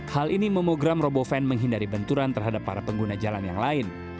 hal ini memogram roboven menghindari benturan terhadap para pengguna jalan yang lain